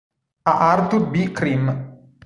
A Arthur B. Krim